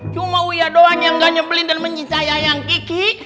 cuma uya doang yang gak nyebelin dan mencintai ayang kiki